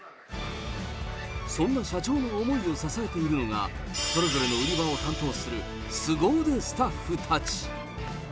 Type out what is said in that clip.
そんな社長の思いを支えているのが、それぞれの売り場を担当するすご腕スタッフたち。